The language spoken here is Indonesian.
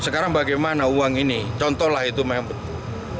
sekarang bagaimana uang ini contohlah itu memang betul